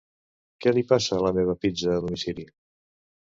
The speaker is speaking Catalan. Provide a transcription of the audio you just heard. Què li passa a la meva pizza a domicili?